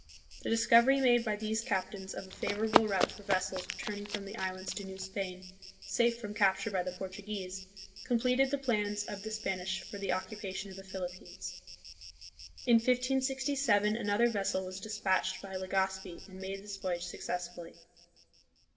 The discovery made by these captains of a favorable route for vessels returning from the islands to New Spain safe from capture by the Portuguese, completed the plans of the Spanish for the occupation of the Philippines. In 1567 another vessel was dispatched by Legazpi and made this voyage successfully.